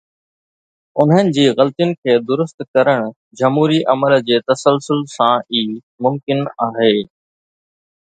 انهن جي غلطين کي درست ڪرڻ جمهوري عمل جي تسلسل سان ئي ممڪن آهي.